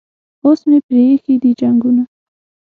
اوس مې پریښي دي جنګونه